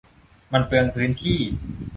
มันเปลืองพื้นที่